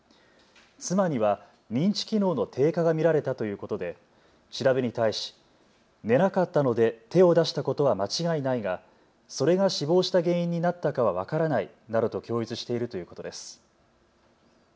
妻には認知機能の低下が見られたということで調べに対し寝なかったので手を出したことは間違いないが、それが死亡した原因になったかは分からないなどと供述しているということです。